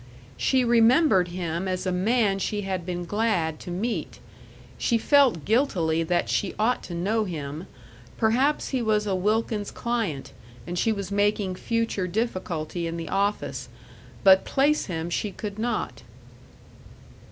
She remembered him as a man she had been glad to meet; she felt guiltily that she ought to know him perhaps he was a Wilkins client, and she was making future difficulty in the office. But place him she could not.